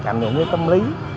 ảnh hưởng đến tâm lý